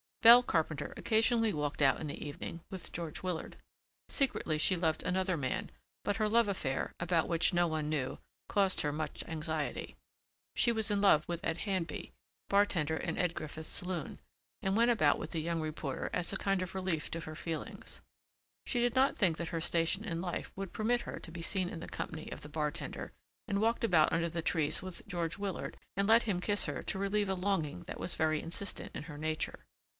Belle Carpenter occasionally walked out in the evening with George Willard. Secretly she loved another man, but her love affair, about which no one knew, caused her much anxiety. She was in love with Ed Handby, bartender in Ed Griffith's Saloon, and went about with the young reporter as a kind of relief to her feelings. She did not think that her station in life would permit her to be seen in the company of the bartender and walked about under the trees with George Willard and let him kiss her to relieve a longing that was very insistent in her nature.